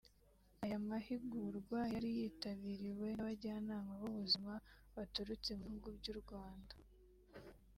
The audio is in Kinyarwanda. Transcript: Aya mahigurwa yari yitabiriwe n’abajyanama b’ubuzima baturutse mu bihugu by’u Rwanda